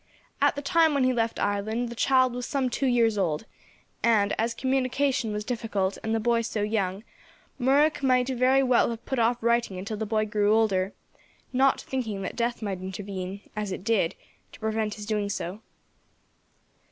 At the time when he left Ireland, the child was some two years old, and, as communication was difficult, and the boy so young, Murroch might very well have put off writing until the boy grew older, not thinking that death might intervene, as it did, to prevent his doing so.